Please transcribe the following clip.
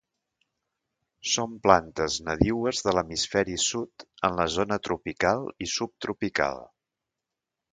Són plantes nadiues de l'hemisferi sud en la zona tropical i subtropical.